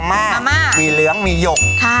ได้ไหมคะ